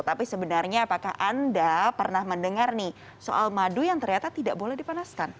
tapi sebenarnya apakah anda pernah mendengar nih soal madu yang ternyata tidak boleh dipanaskan